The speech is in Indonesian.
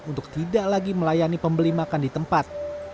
untuk tidak lagi melayani pembeli makan di tempat